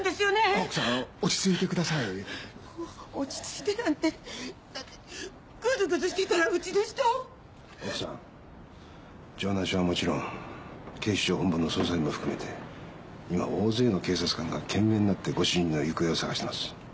奥さん城南署はもちろん警視庁本部の捜査員も含めて今大勢の警察官が懸命になってご主人の行方を捜しています。